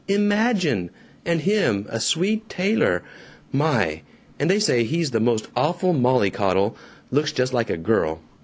Imagine! And him a Swede tailor! My! And they say he's the most awful mollycoddle looks just like a girl.